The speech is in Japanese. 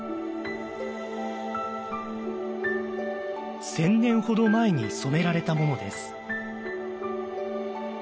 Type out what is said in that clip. １，０００年ほど前に染められたものです。